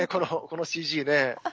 このＣＧね。